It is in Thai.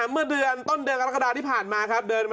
เมื่อเดือนต้นเดือนกรกฎาที่ผ่านมาครับ